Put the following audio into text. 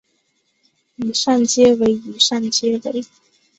以上皆为以上皆为